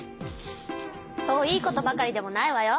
そういいことばかりでもないわよ。